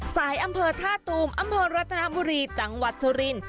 อำเภอท่าตูมอำเภอรัตนบุรีจังหวัดสุรินทร์